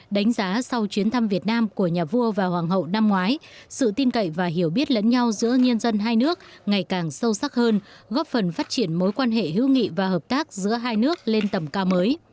đánh giá sau chuyến thăm việt nam của nhà vua và hoàng hậu năm ngoái sự tin cậy và hiểu biết lẫn nhau giữa nhân dân hai nước ngày càng sâu sắc hơn góp phần phát triển mối quan hệ hữu nghị và hợp tác giữa hai nước lên tầm cao mới